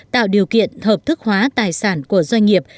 tạo điều kiện hợp thức hóa tài sản của doanh nghiệp